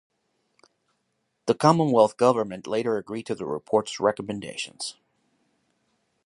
The Commonwealth Government later agreed to the report's recommendations.